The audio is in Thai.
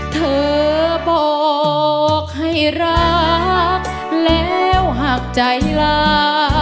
เธอบอกให้รักแล้วหากใจลา